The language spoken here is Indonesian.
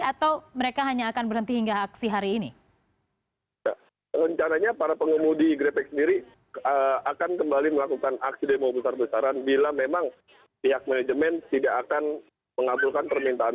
atau mereka hanya akan berhenti